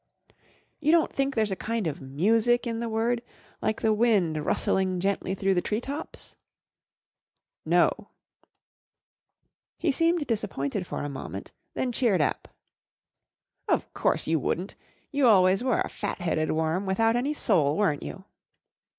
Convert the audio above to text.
"You don't think there's a kind of music in the word, like the wind rustling gently through the tree tops ?"' No." He seemed dis¬ appointed for a moment; then cheered up. " Of course, you wouldn't. You always were a fat headed worm without any soul, weren't you